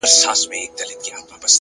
هره هڅه د راتلونکي لپاره پیغام پرېږدي،